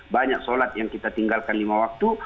banyak sholat yang kita tinggalkan lima waktu